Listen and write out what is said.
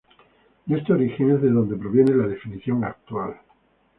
De este origen es de donde proviene la definición actual.